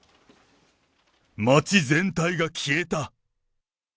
街全体が消えた。